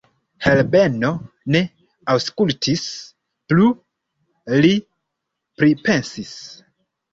Herbeno ne aŭskultis plu; li pripensis.